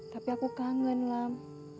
tapi aku kangen lam